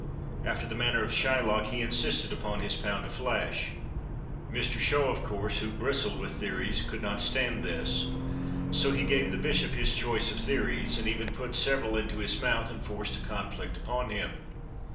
After the manner of Shylock, he insisted upon his pound of flesh. Mr Shaw, of course, who bristled with theories could not stand this. So he gave the Bishop his choice of theories and even put several into his mouth, and forced a conflict upon him.